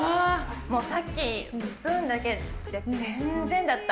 さっきスプーンだけで、全然だった。